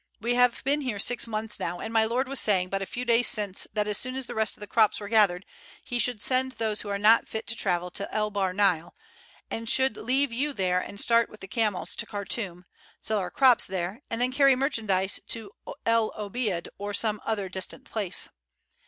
We have been here six months now, and my lord was saying but a few days since that as soon as the rest of the crops were gathered he should send those who are not fit to travel to El Bahr Nile, and should leave you there and should start with the camels to Khartoum, sell our crops there, and then carry merchandise to El Obeid or some other distant place.